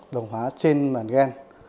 đồng hóa trên màng gen